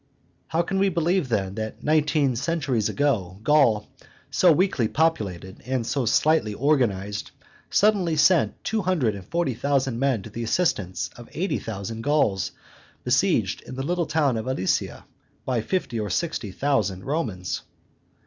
How can we believe, then, that nineteen centuries ago, Gaul, so weakly populated and so slightly organized, suddenly sent two hundred and forty thousand men to the assistance of eighty thousand Gauls besieged in the little town of Alesia by fifty or sixty thousand Romans?